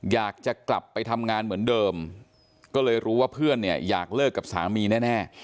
อยากจะกลับไปทำงานเหมือนเดิมก็เลยรู้ว่าเพื่อนเนี่ยอยากเลิกกับสามีแน่